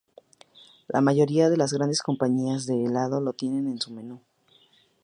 La mayoría de las grandes compañías de helado lo tienen en su menú.